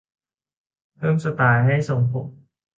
เพิ่มสไตล์ให้ทรงผม